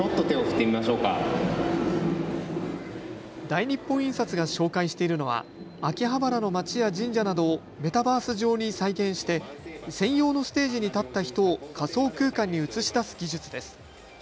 大日本印刷が紹介しているのは秋葉原の街や神社などをメタバース上に再現して専用のステージに立った人を仮想空間に映し出す技術です。